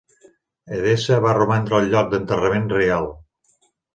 Edessa va romandre el lloc d'enterrament reial.